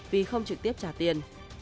vì không trực tiếp trả tiền